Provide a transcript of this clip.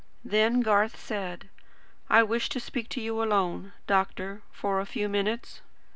Then Garth said: "I wish to speak to you alone, doctor, for a few minutes."